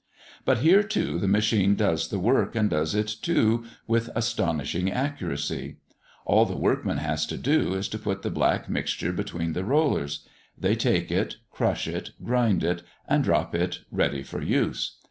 But here, too, the machine does the work, and does it, too, with astonishing accuracy. All the workman has to do, is to put the black mixture between the rollers; they take it, crush it, grind it, and drop it ready for use.